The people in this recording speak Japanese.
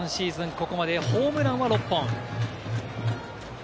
ここまでホームランは６本。